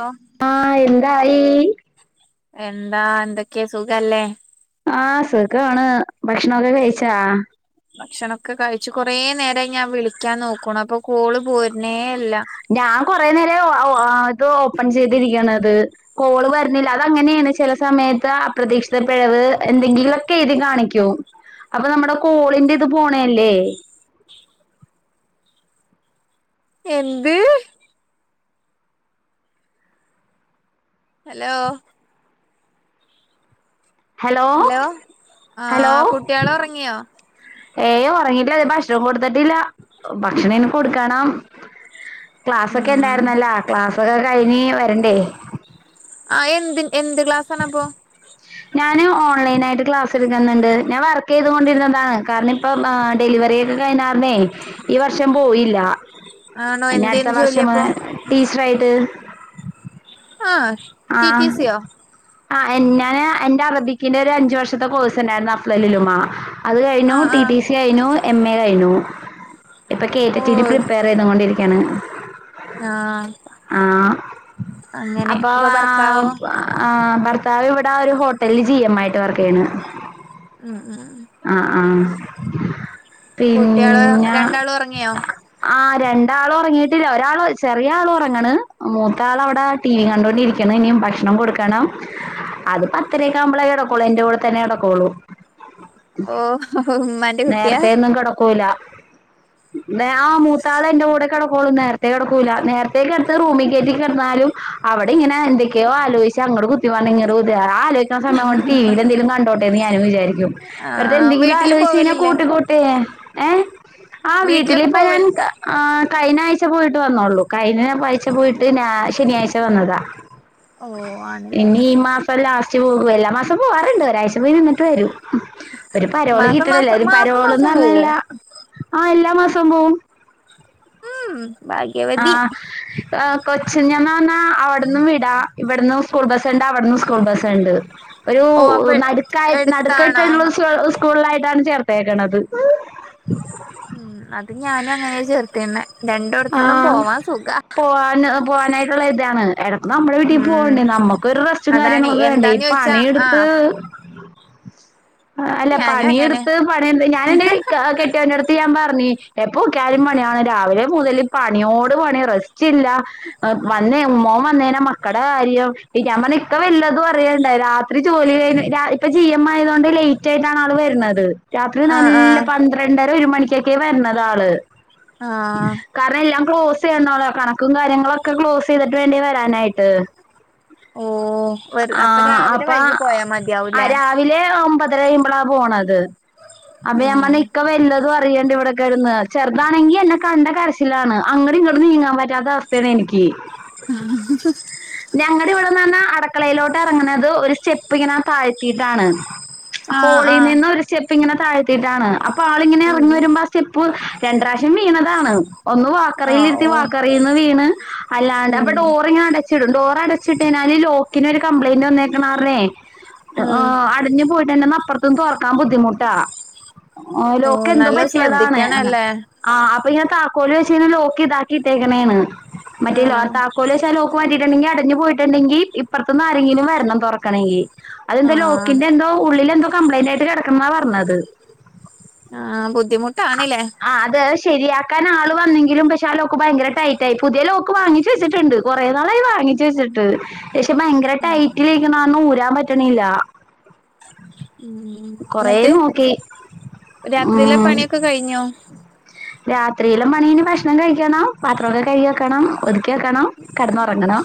ഓ ആഹ് എന്തായി. എന്താ എന്തൊക്കെ സുഖല്ലേ. ആഹ് സുഖാണ് ഭഷ്ണൊക്കെ കഴിച്ചാ ഭക്ഷണൊക്കെ കഴിച്ചു കൊറേ നേരായിഞാവിളിക്ക്യാൻ നോക്കുണു അപ്പൊ കോള് പോര്നേല്ല ഞാൻ കൊറേനേര ഒഹ് ഔ ആത് ഓപ്പൺ ചെയ്തിരിക്ക്യണത് കോള് വര്നില്ല അതങ്ങനെണ് ചെല സമയത്ത് അപ്രതീക്ഷിത പിഴവ് എന്തെങ്കിളെക്കെ ഏതി കാണിക്യും അപ്പൊന്നമ്മടെ കോളിന്റെത് പോണേല്ലേ എന്ത് ഹലോ ഹലോ ആ ഹലോ കുട്ടികള് ഉറങ്ങിയോ ഏയ ഒറങ്ങിട്ട്ല ഭഷ്ണം കൊട്ത്തേട്ടില്ല ഭക്ഷണേന് കൊട്ക്കണം [unintelligible] ഉം ക്ലാസ്സൊക്കെണ്ടായ്ര്ന്നല്ലോ ക്ലാസ്സൊക്കെ കഴിഞ്ഞ് വരണ്ടേ ആഹ് എന്തിൻ എന്ത് ക്ലാസാണ അപ്പൊ ഞാന് ഓൺലൈനായിട്ട് ക്ലാസ് ട്ക്കന്നണ്ട് ഞാൻ വർക്കീതോണ്ടിര്ന്നതാണ് കാര്നം ഇപ്പം ആഹ് ഡെലിവറിയേക്കെ കഴിഞ്ഞാർന്നേ ഈ വർഷം പോയില്ല ആണോ പിന്നെ അട്ത്ത എന്തേന്ന് വർഷം ജോലിയപ്പോ മങ്ങനെ ടീച്ചറായിട്ട് ആഹ് ആഹ് അഹ് എൻ ഞാന് എന്റെ അറബിക്കിന്റെ ഒരു അഞ്ചു വർഷത്തെ കോഴ്സ്ണ്ടാര്ന്നു അഫ്ളലുലുമാ അത് കഴിഞ്ഞു ആ ആ ട്ടി ട്ടി സി കയ്ഞ്ഞു എം എ കയ്ഞ്ഞു ഇപ്പൊ ഓ കേറ്റചെര്പ്പ് പ്രിപ്പയർ ചെയ്തോണ്ടിരിക്ക്യാണ് ന്നാ അങ്ങനെ അപ്പൊ പ്പോവാ ഭർത്താവോ അഹ് ഭർത്താവ് ഇവിടെ ഒരു ഹോട്ടൽല് ജി എമ്മായിട്ട് വർക്കിയ്ണ് അഹ് അഹ് ആഹ് ആഹ് കുട്ട്യേള് രണ്ടാള് ഒറങ്ങിയോ ആഹ് രണ്ടാളൊറങ്ങീട്ടില്ല ഒരാള് ചെറിയ ആളു ഒറങ്ങണ് മൂത്താളവ്ടെ ടി വി കണ്ടോ ണ്ടിരിക്ക്യണ് ഇന്യിം ഭക്ഷണം കൊട്ക്കണം അത് പത്തരെക്കാമ്പളെ കെടക്കൊളൂ എന്റെ കൂടെ തന്നെ കെടക്കോള്ളൂ ഓഹ് മ്മൻ നേർത്തെന്നും കടക്കൂല ബേ ആഹ് മൂത്താള് എന്റെ കൂടെ കെടകൊള്ളൂ നേര്ത്തേ കടക്കൂല നേര്ത്തേ കെടത്യ റൂമി കേറ്റി കട്ന്നാലും അവ്ടെ ഇങ്ങനെ എന്തൊക്ക്യോ ആലോയിച്ചഅങ്ങടും കുത്തിമറിഞ് ഇങ്ങട് കുത്തി ആഹ് ആലോയ് ട്ടോ സമേം കൊണ്ട് ടിവിലെന്തേലും കണ്ടോട്ടെന്ന് ഞാനും വിജാരിക്ക്യും ആ വെറ്തെ എന്തെങ്കിലും വീട്ടില് ആലോയ്ച്ച് പോവലില്ലേ ഗോട്ടേ ഏഹ് ആഹ് വീട്ടില് വീട്ടിലൊക്കെ പോവൽ ബയാൻക്ക ആഹ് കഴഞ്ഞ ആഴ്ച പോയിട്ട് വന്നോള്ളൂ കഴിഞ്ഞ പഴ്ച പോയിട്ട് ഞാ ശനിയാഴ്ച വന്നതാ ഓ ആണല്ലേ ഇനി മാ ലാസ്റ്റ് പോകു എല്ലാ മാസം പോകാറുണ്ട് ഒരാഴ്ച പോയി നിന്നിട്ട് വരും ഒര് പരോളി കി മാസം മാസം എര് മാസം പരോള്ന്ന് മാസം പോവോ പറഞ്ഞേല്ല ആഹ് എല്ലാ മാസം പോവും ഉം ഭാഗ്യവതി ആഹ് കൊച്ചിന്ന്ന്ന്പർണാ അവിട്ന്നും വിടാ ഇവിട്ന്നു സ്കൂൾ ബസ്ണ്ട് അവ്ട്ന്നു സ്കൂൾ ബസ്സ്ണ്ട് ഒരു ഓ അപ്പൊ നട്ക്കായി എടുത്താണോ നട്ക്കായ്ട്ട്ള്ള സ് സ്കൂൾലായ്ട്ടാണ് ചേർത്തേക്കണത് ഉം അത് ഞാനും അങ്ങനെ ചേർത്തിണ്ണേ രണ്ടോട്ത്തുന്നും ആഹ് പോവാ സുഖാ പോവാന് പോവാനായ്ട്ട്ള്ള ഇത്യാണ് എടക്ക് നമ്മുടെ വീട്ടീ ഉം പോവണ്ടേ നമ്മുക്കൊരു റസ്റ്റും അതാണ് കാര്യങ്ങളൊക്കെ വേണ്ടേ ഈ എന്താന്ന് ചോയിച്ചാ പണിയെടുത്ത് ആഹ് അല്ല ഞാനും അങ്ങനെ പണിയെടുത്ത് പണിയെട് ഞാന് എന്റെ ഇക്ക കെട്ടിയന്റെടുത്ത് ഞാൻ പറഞ് എപ്പൊ നോകിയാലും പണിയാണ് രാവിലെ മുതൽ പണിയോട് പണി റെസ്റ്റ് ഇല്ല വന്നേ മോന് വന്നേഞാ മക്കടെ കാര്യം ഞാൻ പറഞ് ഇക്ക വല്ലതും അറിയ്ണ്ടോ രാത്രി പിന്നെ ജോലി കഴിഞ് രാ ഇപ്പ ജി എം ആയതോണ്ട് ലേറ്റായിട്ടാണ് ആള് വരുന്നത് രാത്രി ആഹ് നല്ല ആഹ് പന്ത്രണ്ടര ഒരു മണിക്കൊക്കെ വര്ണത് ആള് ആഹ് കാരണം എല്ലാം ക്ലോസ് ചെയ്യണല്ലോ കണക്കും കാര്യങ്ങളൊക്കെ ക്ലോസ് ചെയ്തിട്ട് വേണ്ടേ വരാനായിട്ട് ഓഹ് വർ അപ്പൊ ആഹ് രാവിലെ അപ്പ വൈകി പോയാ മതിയാവുംല്ലേ? ആഹ് രാവിലെ ഒമ്പതര കയ്യുംബളാ പോണത് അപ്പോ ഞാൻ ഉം പറഞ് ഇക്ക വല്ലതും അറി യ്ണ്ടോ ഇവിടെ കെടന്ന് ചെറുതാണങ്കി എന്നെ കണ്ട കരച്ചിലാണ് അങ്ങട് ഇങ്ങട് നീങ്ങാൻ പറ്റാത്ത അവസ്ഥയാണ് എനിക്കി ഹ ഹ ഹ ഞങ്ങടെ ഇവിടെന്നർഞ്ഞാ അടക്കളയിലോട്ട് എറങ്ങ്ണത് ഒരു സ്റ്റെപ്പ് ഇങ്ങനെ താഴ്ത്തീയിട്ടാണ് ആഹ് ഹോളി ആഹ് നിന്ന് ഒരു സ്റ്റെപ്പ് ഇങ്ങനെ താഴ്ത്തിയിട്ടാണ് അപ്പൊ ആളിങ്ങനെ ഉം എറങ്ങി ഉം വരുമ്പോ ആ സ്റ്റെപ്പ് രണ്ട് പ്രാശ്യം വീണതാണ്. ഒന്ന് വാക്കറില് ആഹ് ഇരുത്തി ഓ വാക്കറീന്ന് വീണ് അല്ലാണ്ട് ഉം അപ്പ ഡോറിങ്ങനെ അടച്ചിടും ഡോർ അടച്ചിട്ടഴിഞ്ഞാല് ലോക്കിന് ഒരു കംപ്ലയിന്റ് വന്നേക്ക്ണാരണേ ആ ഉം അടഞ്ഞ് ന്ന് അപ്പുറത്തുംന്ന് തൊറക്കാൻ ബുദ്ധിമുട്ടാ ഓഹ് ഓ ലോക്ക് എന്തോ നല്ലോ പറ്റിയതാണ്. ശ്രദ്ധിക്കണല്ലേ ആഹ് അപ്പൊ ഇങ്ങനെ താക്കോല് വെച്ച് ലോക്ക് ഇതാക്കിയിട്ടേക്ക്ണേണ് മറ്റേ ല്ലേ ആഹ് താ കോല് വെച്ച് ആ ലോക്ക് മാറ്റിയിട്ട്ണ്ടെങ്കി അടഞ്ഞു പോയിട്ടുണ്ടെങ്കി ഇപ്പറുത്തിന്ന് ആരെങ്കിലും വരണം തൊറക്കണെങ്കി അതെന്താ ആഹ് ലോക്കിന്റെ എന്തോ ഉള്ളിലെന്തോ കംപ്ലയിന്റ് ആയിട്ട് കിടക്കണെന്നാ പറഞ്ഞത്. ആഹ് ബുദ്ധിമുട്ടാണ്ല്ലേ? ആഹ് അത് ശരിയാക്കാൻ ആള് വന്നെങ്കിലും പക്ഷെ അ ലോക്ക് ഭയങ്കര ടൈറ്റായി പുതിയ ലോക്ക് വാങ്ങി ച്ച് വെച്ചിട്ട്ണ്ട് കൊറേ നാളായി വാങ്ങിച്ചു വെച്ചിട്ട്. പക്ഷെ ഭയങ്കര ഉം ടൈറ്റിലിരിക്ക്ണ കാരണം ഊരാൻ പറ്റ്ണില്ല ഉം കൊറേ ഇന്നെട്ട് നോക്കി രാത്രിയിലെ പണിയൊക്കെ കഴിഞ്ഞോ? രാത്രിയില്ലെ പണി ഇനി ഭക്ഷണം കഴിക്കണം പാത്രമൊക്കെ കഴുകി വെക്കണം ഒതുക്കി വെക്കണം കെടന്നുറങ്ങണം.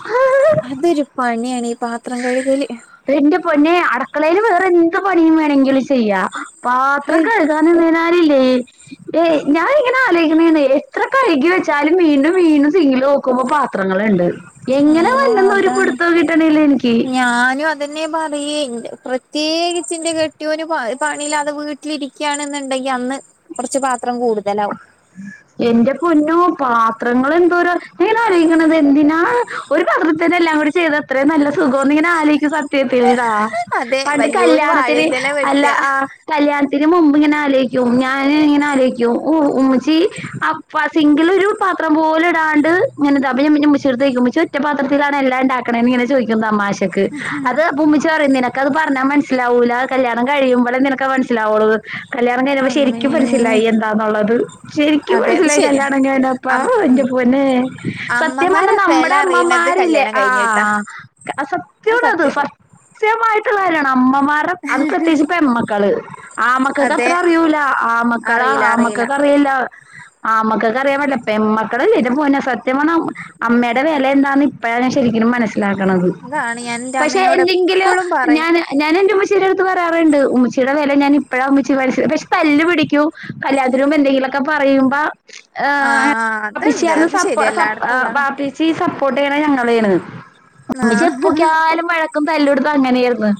അതൊരു പണിയാണ് ഈ പാത്രം കഴുകല്. എന്റെ പൊന്നെ അടക്കളയില് വേറെ എന്ത് പണി വേണമെങ്കിലും ചെയ്യാ പാത്രം ഹയ് കഴു കാനിരുന്ന് കഴിഞ്ഞാലില്ലേ ഏഹേ ഞാനിങ്ങനെ ആലോചിക്കണേണ് എത്ര കഴുകി വെച്ചാലും വീണ്ടും വീണ്ടും സിങ്കിലു നോക്കുമ്പോ പാത്രങ്ങള്ണ്ട് എങ്ങനെ ആഹ് വര്ന്ന് എന്നൊരു അതാണ് പിടുത്തോം കിട്ട്ണില്ല എനിക്ക്. ഞാനും അതെന്നെ പറയെ പ്രത്യേകിച്ച് എന്റെ കെട്ടിയോന് പണിയില്ലാതെ വീട്ടി ലിരിക്കാണെന്നുണ്ടങ്കി അന്ന് കൊറച്ച് പാത്രം കൂടുതല. എന്റെ പൊന്നോ പാത്രങ്ങള് എന്തോരാ ഞാ ഇങ്ങനെ ആലോചിക്ക്ണത് എന്തിനാ ഒരു പത്രത്തില് എല്ലാം കൂടി കുക്ക് ചെയ്ത അത്രയും നല്ല സുഖോന്ന ഇങ്ങെനെ ആലോചികും. [unintelligible] അതെ പണ്ട് വലിയൊരു കല്യാണത്തിന് വാഴന്റെല അല്ല വെട്ടാ ആ കല്യാണത്തിന് മുമ്പ് ഇങ്ങനെ ആലോയിക്കും ഞാന് ഇങ്ങനെ ആലോയിക്കും. അയ്യോ ഓഹ് ഉമ്മച്ചി ആ സിങ്കിലൊരു പാത്രം പോലും ഇടാണ്ട് ഇങ്ങനെ ഇതാക്കും അപ്പൊ ഞ്ഞാ ഉമ്മച്ചിടെട്ത്ത് ചോയ്ക്ക് ഉമ്മച്ചി ഒറ്റപാത്രത്തിലാണോ എല്ലാം ഒണ്ടാക്കണെന്ന് ഇങ്ങനെ ചോദിക്കും തമാശക്ക് അത് അപ്പൊ ഉമ്മച്ചി പറയുന്നെ നിനക്കത് പറഞ്ഞാ മനസ്സിലാവൂല്ല കല്യാണം കഴിയുമ്പളേ നിനക്ക് അത് മനസ്സിലാവുള്ളു. കല്യാണം കഴിഞ്ഞപ്പോ അമ്മേ ശരിക്കും മനസിലായി എന്താന്നുള്ളത്. ശരിക്കും അതെ അത് മനസ്സിലായി ശരിയാ കല്യാണം- കഴിഞ്ഞപ്പാ അം ഉം എന്റെ പൊന്നെ- സത്യം പറഞ്ഞ അമ്മമാരെ വെല നമ്മടെ അറിയണത് അമ്മമാരില്ലേ? കല്യാണം കഴിഞ്ഞിട്ടാ ആഹാ അത് സത്യയാണത് സത്യം ഫസ്റ്റ്. മായിട്ടുള്ള കാര്യമാണ് അമ്മമാർ- അത് പ്രത്യേകിച്ച് പെമ്മക്കള്. അതെ ആമക്കക്കത്ര അറിയൂല, ആമക്കള് അറിയില്ല അറിയില്ല ആമകക്കറിയില്ല. ആമ്മക്കൊക്കെ അറിയാൻ- പാറ്റില്ല. പെമ്മക്കളല്ലെത് എന്റെ- പൊന്നോ, സത്യ പറഞ്ഞ അമ്മയുടെ വില എന്താന്ന്. ഇപ്പഴാണ് ശരിക്കും- മനസ്സിലാക്ക്ണത്. അതാണ് ഞാൻ എന്റെ പക്ഷെ- അമ്മേനോട് എന്തെങ്കിലും എപ്പഴും പറയും ഞാൻ, ഞാൻ എന്റെ ഉമ്മച്ചീടടുത്ത്- പറയാറുണ്ട്. ഉമ്മച്ചിടെ വെല- ഞാൻഇപ്പഴാ ഉമ്മച്ചിമന, പക്ഷെ- തല്ല് പിടിക്കും. കല്യാണത്തിന് മുമ്പ്- എന്തെങ്കിലുമൊക്കെ പറയുമ്പോ. [unintelligible] ആഹ് അതുണ്ട് അത് ശരിയാ എല്ലായിടത്തുള്ളതാ വാപ്പിച്ചീ സപ്പോർട്ട് ചെയ്യ്ണ- ഞങ്ങളെണ്. ഉമ്മച്ചി- ആഹ് എപ്പോക്കിയാലും വഴക്കും, തല്ലു- പിടുത്തങ്ങനെയാണ്.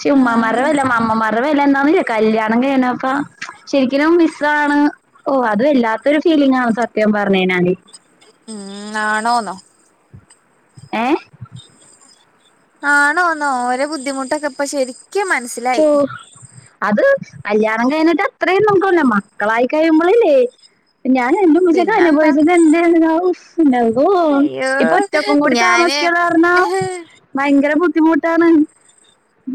ചേ, ഉമ്മാരുടെ ആഹ് വെല, അമ്മമാരുടെ വെല എന്താന്ന്- കല്ല്യാണം കഴിഞ്ഞ പ്പോ ശരിക്കും- ഓ അത് വല്ലാത്തൊരു- ഫീലിംഗാണ് സത്യം- പറഞ്ഞയിഞ്ഞാൽ. ഉം.., ആണോന്നോ? ഏഹ.., ആണോന്നോ ഓരെ- ബുദ്ധിമുട്ടൊക്കെ ഇപ്പോ- ശരിക്കും മനസ്. ഓ.. അത് കല്യാണം കഴിഞ്ഞിട്ട്- അത്രയും നമുക്കല്ല മക്കളായി- കഴിയുമ്പോളില്ലേ? ഞാൻ എന്റെ ഉമ്മച്ചിയൊക്കെ- പിന്നെന്താ അനുഭവിച്ചത് [unintelligible] ഉണ്ടാവോ അയ്യോ ഇപ്പൊ ഒറ്റക്കും കൂടി- ഞാന് താമസിക്കണ കാരണം. ആഹ് ഭയങ്കര ബുദ്ധിമുട്ടാണ്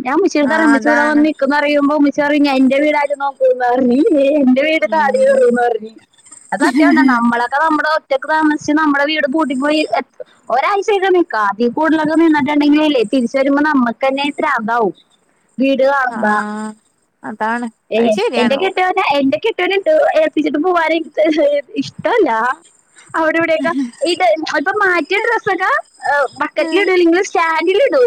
ഞാൻ- ഉമച്ചി നോട് പറയും. അതാണ് റിയുമ്പോ മച്ചാറിയും എൻന്റെ വീട- നോക്ക പറഞ്ഞ- വീട് ഉം കാടറൂന്ന് പറഞ് അത്- സത്യമണ്ട നമ്മളൊക്കെ നമ്മുടെ- ക്കാമച്ച് നമ്മുടെ വീട് പൂട്ടി പോയി. ഒരാഴ്ചക്ക നിക്കക്ക അതി- കൂതലക്കെ, നിന്നിട്ടുണ്ടെങ്കിൽല്ലേ തിരിച്ച് വരുമ്പോ നമുക്ക്ന്നെ ഇത്ര- അതാവും. വീട് കാണുമ്പോ ആഹ് അതാണ് അത് ശരിയാണ് എന്റെ- ഓ കെട്ടിയോൻ- എന്റെ കെട്ടിയോൻ ഇത്- ഏൽപ്പിച്ചിട്ട് പോവാന് എനിക്ക്- ഇഷ്ടല്ല. അവിടെ ഇവിടെക്കെ ഇത്- ഇപ്പോ മാറ്റിയ ഡ്രസ്സൊക്കെ- ബക്കറ്റില ഇടല്ലെങ്കിൽ- സ്റ്റാൻഡില ഇടൂ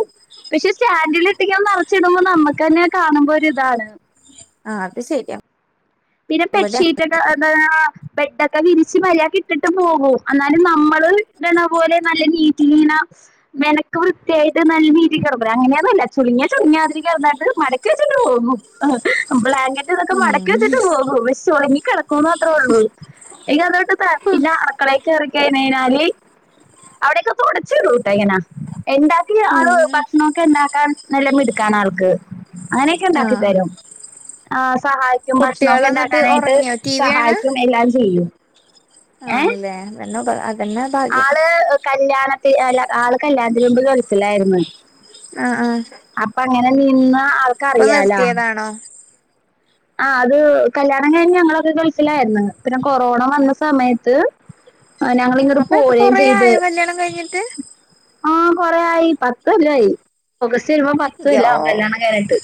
പക്ഷെ- സ്റ്റാൻഡില ഇിട്ടെങ്ക- നിറച്ചിടുമ്പോ നമ്മുക്ക് തന്നെ- കാണുമ്പോൾ ഒരു ഇതാണ്. ആഹ്.., അത് ശരിയാ. പിന്നെ ഇവിടെ ബെഡ്ഷീറ്റ് ഒക്കെ എന്ത- ബെഡൊക്കെ വിരിച്ച് മരാക്ക്- ഇട്ടിട്ട് പോകും. എന്നാലും നമ്മള്- ഇടണ പോലെ നല്ല നീറ്റിലീന. മെനക്ക് വൃത്തിയായിട്ട് നല്ല രീതി- കടക്കുലേ, അങ്ങനെയൊന്നുമല്ല ചുളങ്ങാ, ചുളിവ് മടക്കി വെച്ചിട്ട്- പോകും. ആഹാ, ബ്ലാങ്കറ്റ് ഇതൊക്കെ- ഉം മടക്കി വെച്ചിട്ട് പോകും. പക്ഷെ- ചുളങ്ങി കിടക്കുമെന്ന് മാത്രേ ഉള്ളൂ. ഇനി അതോട്ട് തന്റെ- അടുക്കളേൽ കയറി- കഴിഞ്ഞാല്- അവിടെയൊക്കെ തുടച്ച് ഇടുട്ടാ- ഇങ്ങന. എന്താക്കി ആള് ഉം ഭക്ഷണൊക്കെ- ഉണ്ടാക്കാൻ നല്ല മിടുക്ക- ആൾക്ക് അങ്ങനെയൊക്കെ ഉണ്ടാക്കി ആഹ് തരും. ആ, സഹായി- ഭക്ഷണ ഒക്കെ കുട്ടികള് എന്നിട്ട് ഉണ്ടാക്കാനായിട്ട്- ഉറങ്ങിയോ ടി സഹായിക്കും. എല്ലാം ചെയ്യും. ഏ ആണില്ലേ അതന്ന, അതെന്നാ ഭാഗ്യം. കല്യാണത്തില്ല ആള്- കല്യാണത്തിന് മുമ്പിൽ- വിളിച്ചില്ലായിരുന്നു. ആഹ്.., ആഹ്..., അപ്പ അങ്ങനെ നിന്ന്- ഇപ്പൊ ആൾക്കറിയാലോ? നിർത്തിയതാണോ ആഹ് അത് കല്യാണം കഴിഞ്ഞ- ഞങ്ങളൊക്കെ- ഗൾഫിലായിരുന്നു. ഉം കൊറോണ വന്ന സമയത്ത്- ഞങ്ങൾ ആഹ് ഇങ്ങോട്ട് അപ്പോ ഇത് കൊറേ- ആയോ കല്യാണം കഴിഞ്ഞിട്ട്. ആഹ് കൊറേ ആയി പത്തല്ലായി- ഓഗസ്റ്റ് വരുമ്പോ യ്യോ പത്തല്ലവും- കല്ല്യണം കഴിഞ്ഞിട്ട്.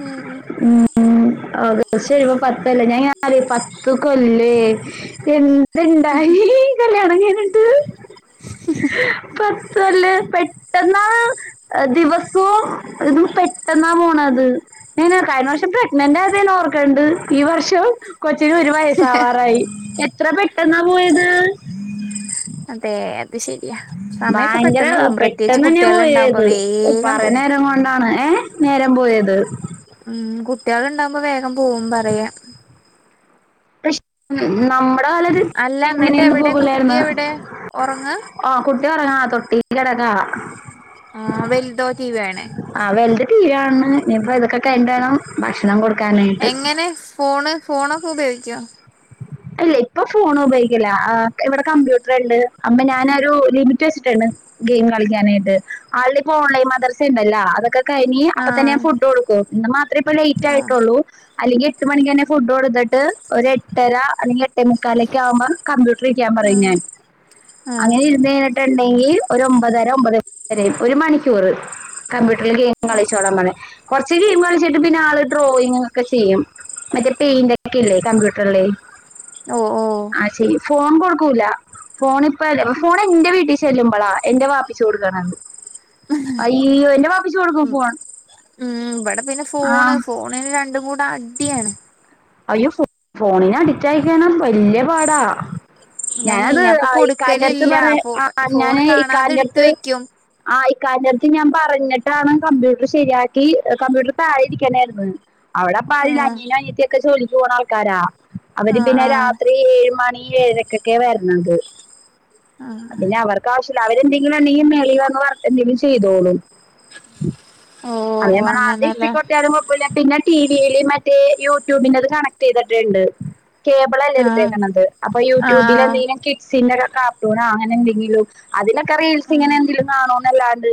ഉം ഉം ഉം ഉം ഓഗസ്റ്റ് വരുമ്പം പത്തല്ലേ ഞാൻ ഞ പത്ത് കൊല്ലേ എ രണ്ടായി പത്ത് കൊല്ലം പെട്ടെന്നാ ദിവസവും എന്ത് പെട്ടെന്നാ പോണ കഴിഞ്ഞ വർഷം പ്രഗ്നന്റ് ആയത് ഞാൻ ഓർക്കണ്ട് ഈ വർഷം കൊച്ചിന് ഒരു വയസാവാറായി എത്ര പെട്ടെന്നാ പോയത് അതെ ശരിയാ സമയൊക്കെ ഭയങ്കര പെട്ടെന്ന് പോകും പ്രത്യേകിച്ച് പെട്ടെന്ന് തന്നെയാ കുട്ടികളുണ്ടാവുമ്പോ പോയത് വേഗം പോവും പറഞ്ഞേരം കൊണ്ടാണ് ഏ നേരം പോയത് ഉം കുട്ടികള് ഉണ്ടാകുമ്പോ വേഗം പോവും പറയാ പക്ഷെ നമ്മുടെ കാലത്ത് അല്ല എന്നിട്ട് ഇങ്ങനെയൊന്നും എവിടെ കുട്ടി പോകൂലായിര്ന്ന് എവിടെ ഒറങ്ങാ ആഹ് കുട്ടി ഉറങ്ങാ തൊട്ടി കിടക്കാ ആഹ് വൽതോ ടി വി കാണേ ആഹ് വൽത് ടി വി കാണാണ് ഇനിയിപ്പം ഇതൊക്കെ കഴിഞ്ഞിട്ട് വേണം ഭക്ഷണം കൊടുക്ക എങ്ങനെ ഫോണ് ഫോണൊക്കെ ഉപയോഗിക്കോ ഇല്ല ഇപ്പൊ ഫോൺ ഉപയോഗിക്കില്ല ഇവിടെ കമ്പ്യൂട്ടർ ഇണ്ട് അപ്പം ഞാനൊരു ലിമിറ്റ് വെച്ചിട്ടുണ്ട് ഗെയിം കളിക്കാനായിട്ട് ആളുടെ ഇപ്പോ ഓൺലൈൻ മദർസ ഉണ്ടല്ലോ അതൊക്കെ കഴ്ഞ്ഞി അപ്പൊ തന്നെ ആഹ് ഞാൻ ഫുഡ് കൊടുക്കും ഇന്ന് മാത്രേ ഇപ്പം ലേറ്റ് ആഹ് ആയിട്ടുള്ളൂ അല്ലെങ്കിൽ എട്ട് മണിക്ക് തന്നെ ഫുഡ് കൊടുത്തിട്ട് ഒരു എട്ടര അല്ലെങ്ക എട്ടെ മുക്കാല് ഒക്കെ ആകുമ്പോ കമ്പ്യൂട്ടർ ഇരിക്കാൻ പറയും ആഹ് ഞാൻ ആഹ് അങ്ങനെ ഇര്ന്നിട്ട് ഇണ്ടെങ്കിൽ ഒരു ഒമ്പതര ഒമ്പ ഒരു മണിക്കൂറ് കമ്പ്യൂട്ടറിൽ ഗെയിം കളിച്ചോളാം പറയും കുറച്ച് ഗെയിം കളിച്ചിട്ട് പിന്നെ ആള് ഡ്രോയിങ്ങ് ഒക്കെ ചെയ്യും മറ്റേ പെയിന്റ ഒക്കെ ഇല്ലേ കമ്പ്യൂട്ടറില് ഓ ഓ അത് ചെയ്യും ഫോൺ കൊടുക്കൂല ഫോണ് ഇപ്പ ഫോൺ എന്റെ വീട്ടിൽ ചെല്ലുമ്പോളാ എന്റെ വാപ്പിച്ചി കൊടുക്കണണ്ട് അയ്യോ എന്റെ പാപ്പിച്ചു കൊടുക്കും ഓ ഫോൺ ഉം ഇവിടെ പിന്നെ ആ ഫോണ് ഫോണിന് രണ്ടും കൂടെ അടിയാണ് അയ്യോ ഫോണിന് അഡിക്റ്റ് ആയിക്കയിഞ്ഞാൽ വല്യ പാടാ ഞാനെ ഞാനത് ഞാൻപ്പൊ ഇക്കാൻന്റെ അടുത്ത് കൊടുക്കലില്ല പറയാ ഫോ ആ ഫോണ് ഞാന് കാണാതെ ഇക്കാൻന്റെ എടുത്ത് അടുത്ത് വെക്കും ആ ഇക്കാന്റെ അടുത്ത് ഞാൻ പറഞ്ഞിട്ടാണ് കമ്പ്യൂട്ടർ ശരിയാക്കി കമ്പ്യൂട്ടർ താഴെ ഇരിക്കണായിര്ന്ന് അവിടെ പ്പം ആരും ഇല്ല ആഹ് അനിയനും അനിയത്തിഒക്കെ ജോലിക്ക് പോണ ആൾക്കാരാ അവര് ആഹ് പിന്നെ ആഹ് രാത്രി ഏഴ് മണി ഈ എഴരക്കൊക്കെ വരന്നത് അത് ആഹ് പിനെ അവർക്ക് കാശിലാ അവരെന്തെങ്കിലും വേണങ്കിൽ മേളിൽ വന്ന് എന്തങ്കിലും ചെയ്തോളും ഓ [unintelligible] അങ്ങനെല്ലേ പിനെ പിനെ ട്ടീവിയിൽ മറ്റേ യൂട്യൂബിന്റത് കണക്ട് ചെയ്തിട്ടുണ്ട് കേബിൾ അല്ലേ ആഹ് എടുത്തേക്കണുന്നത് അപ്പൊ യൂട്യൂബില ആഹ് എന്തെങ്കിലും കിട്സിന്റെ ഒകെ ക്കാ ട്ടൂണോ അങ്ങനെ എന്തെങ്കിലും അതിനൊക്കെ റീൽസ് ഉം ഇങ്ങനെ എന്തെലും കാണോന്നല്ലാണ്ട്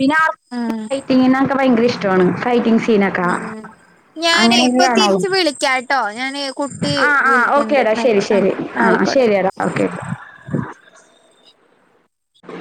പിന്നെ ആർ ഉം ഫൈറ്റിങ്ങ്നെ ഒക്കെ ഭയങ്കര ഇഷ്ടമാണ് ഫൈറ്റിംഗ് സീനൊക്കെ ഉം ഞാനേ അങ്ങനെയൊക്കെ ഇപ്പൊ കാണാവൂ തിരിച്ച് വിളിക്കാട്ടോ ഞാന് കുട്ടി ആഹ് ആഹ് വിളിക്കണ്ട് ഓക്കെടാ ശരി ന്നായിക്കോട്ടെ ആയിക്കോട്ടെ ശരി ന്നാ ആ ആയിക്കോട്ടെ. ശരിയെടാ ഓക്കെ ആ